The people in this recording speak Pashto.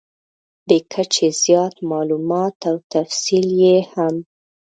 بې کچې زیات مالومات او تفصیل یې هم .